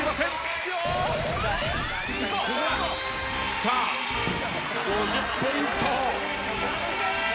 さあ５０ポイント。